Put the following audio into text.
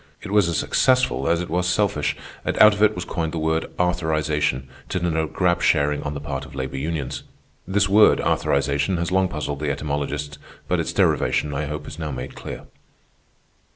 It was as successful as it was selfish, and out of it was coined the word "arthurization," to denote grab sharing on the part of labor unions. This word "arthurization" has long puzzled the etymologists, but its derivation, I hope, is now made clear.